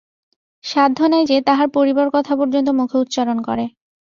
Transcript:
সাধ্য নাই যে, তাহার পড়িবার কথা পর্যন্ত মুখে উচ্চারণ করে।